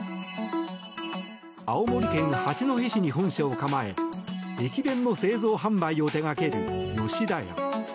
青森県八戸市に本社を構え駅弁の製造・販売を手掛ける吉田屋。